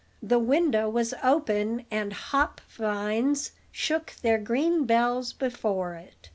The window was open, and hop vines shook their green bells before it.